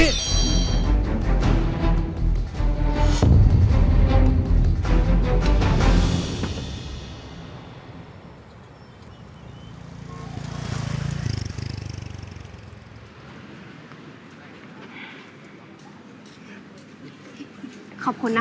คือทำไมเธอไม่พูดมาก